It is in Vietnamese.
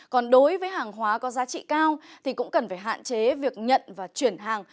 còn đối với hàng hóa có giá trị cao thì cũng cần phải hạn chế việc nhận và chuyển hàng